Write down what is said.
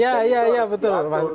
ya ya ya betul